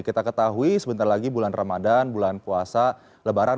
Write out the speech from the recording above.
kita ketahui sebentar lagi bulan ramadan bulan puasa lebaran